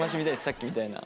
さっきみたいな。